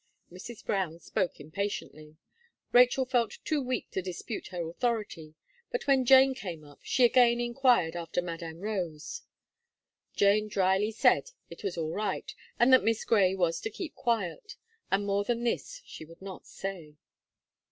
Mrs. Brown spoke impatiently. Rachel felt too weak to dispute her authority, but when Jane came up, she again inquired after Madame Rose. Jane drily said it was all right, and that Miss Gray was to keep quiet; and more than this she would not say.